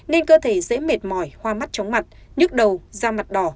nên cơ thể dễ mệt mỏi hoa mắt chóng mặt nhức đầu da mặt đỏ